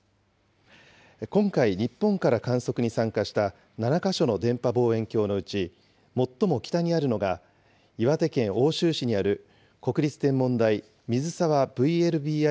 今回、日本から観測に参加した７か所の電波望遠鏡のうち、最も北にあるのが岩手県奥州市にある国立天文台水沢ＶＬＢＩ